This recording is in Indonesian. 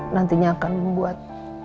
nantinya akan membuat